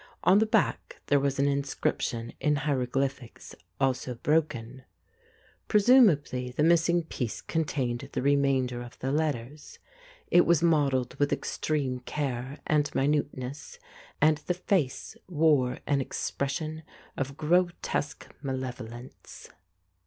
On the back there was an inscription in hieroglyphics., also broken. 1 86 The Ape Presumably the missing piece contained the re mainder of the letters. It was modelled with extreme care and minuteness, and the face wore an expression of grotesque malevolence.